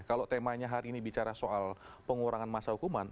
kalau temanya hari ini bicara soal pengurangan masa hukuman